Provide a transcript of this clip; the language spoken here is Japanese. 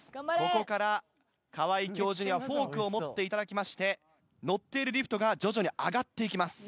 ここから川井教授にフォークを持っていただきまして乗っているリフトが徐々に上がって行きます。